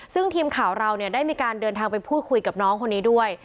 ซึ่งทีมข่าวเราได้มีการเดินทางไปพูดคุยกับน้องคนนี้ด้วย